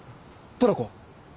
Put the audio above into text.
トラコは？